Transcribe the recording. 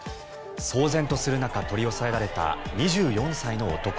騒然とする中取り押さえられた２４歳の男。